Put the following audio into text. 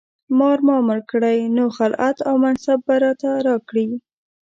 مار ما مړ کړی نو خلعت او منصب به راته راکړي.